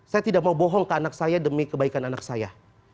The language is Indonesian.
saya tidak mau bohong ke anak saya demi kebaikan anak saya